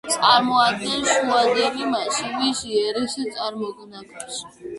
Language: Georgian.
წარმოადგენს შუალედი მასივის იერის წარმონაქმნს.